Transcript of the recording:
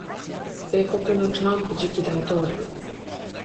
米国のトランプ次期大統領